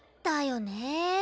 だよねえ。